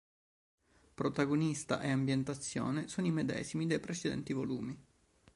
Protagonista e ambientazione sono i medesimi dei precedenti volumi.